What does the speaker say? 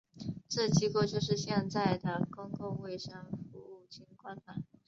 这机构就是现在的公共卫生服务军官团。